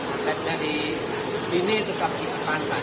aset dari mie ini tetap kita pantas